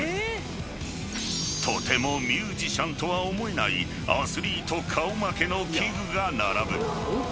［とてもミュージシャンとは思えないアスリート顔負けの器具が並ぶ］